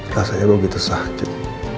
rasanya aku begitu sakit